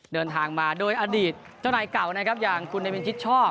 เดินทางมาโดยอดีตเจ้านายเก่านะครับอย่างคุณเนวินชิดชอบ